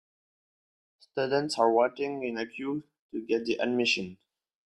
Students are waiting in a queue to get the admission.